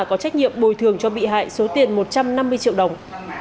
có trách nhiệm bồi thường cho bị hại số tiền một trăm năm mươi triệu đồng